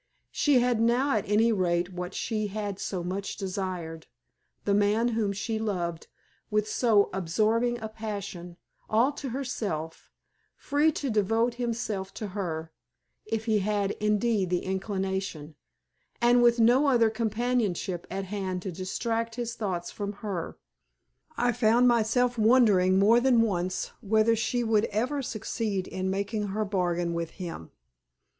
She had now at any rate what she had so much desired the man whom she loved with so absorbing a passion all to herself, free to devote himself to her, if he had indeed the inclination, and with no other companionship at hand to distract his thoughts from her. I found myself wondering more than once whether she would ever succeed in making her bargain with him.